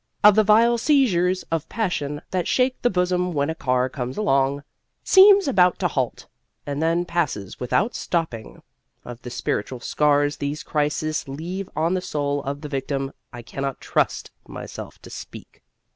Of the vile seizures of passion that shake the bosom when a car comes along, seems about to halt, and then passes without stopping of the spiritual scars these crises leave on the soul of the victim, I cannot trust myself to speak.